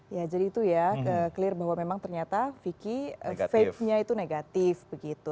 ya jadi itu ya clear bahwa memang ternyata vicky vape nya itu negatif begitu